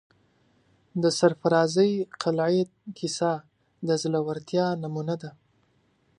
د سرافرازۍ قلعې کیسه د زړه ورتیا نمونه ده.